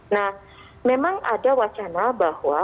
nah memang ada wacana bahwa